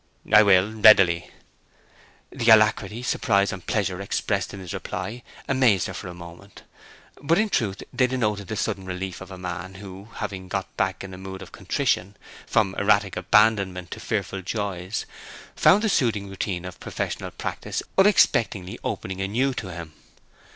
"I will, readily." The alacrity, surprise, and pleasure expressed in his reply amazed her for a moment. But, in truth, they denoted the sudden relief of a man who, having got back in a mood of contrition, from erratic abandonment to fearful joys, found the soothing routine of professional practice unexpectedly opening anew to him.